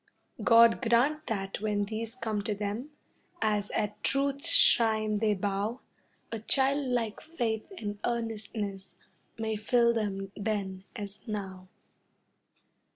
God grant that when these come to them, As at Truth's shrine they bow, A childlike faith and earnestness May fill them then as now.